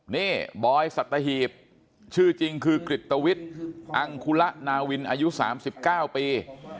นี่บอยสัตหีบชื่อจริงคือกริตวิทย์อังคุระนาวินอายุ๓๙ปี